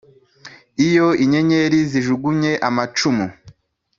iyo inyenyeri zijugunye amacumu